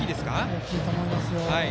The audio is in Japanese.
大きいと思いますよ。